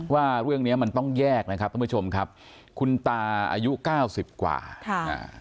ว่าเรื่องเนี้ยมันต้องแยกนะครับท่านผู้ชมครับคุณตาอายุเก้าสิบกว่าค่ะอ่า